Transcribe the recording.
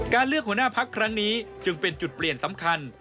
เลือกหัวหน้าพักครั้งนี้จึงเป็นจุดเปลี่ยนสำคัญ